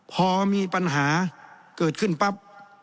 พอมีปัญหาเกิดขึ้นปั๊บ